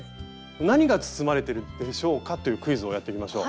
何が包まれてるでしょうか？というクイズをやってみましょう。